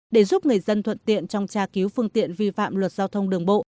để giúp người dân thuận tiện trong tra cứu phương tiện vi phạm luật giao thông đường bộ